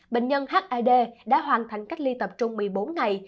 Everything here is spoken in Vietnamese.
bệnh nhân hid đã hoàn thành cách ly tập trung một mươi bốn ngày